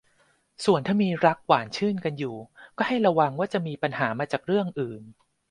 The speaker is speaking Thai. ส่วนถ้ามีรักหวานชื่นกันอยู่ก็ให้ระวังว่าจะมีปัญหามาจากเรื่องอื่น